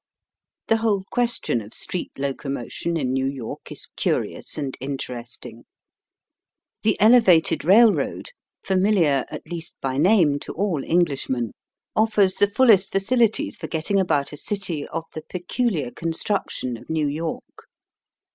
The whole question of street locomotion in Digitized by VjOOQIC NEW YORK CITY. 23 New York is curious and interesting. The Elevated Kailroad, famiKar at least by name to all Englishmen, offers the fullest facilities for getting about a city of the peculiar con struction of New York.